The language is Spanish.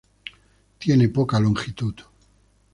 Tiene poca longitud.